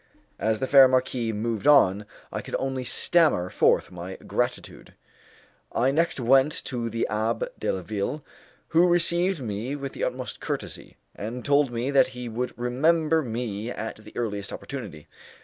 As the fair marquise moved on, I could only stammer forth my gratitude. I next went to the Abbé de la Ville, who received me with the utmost courtesy, and told me that he would remember me at the earliest opportunity.